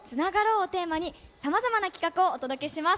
をテーマに、さまざまな企画をお届けします。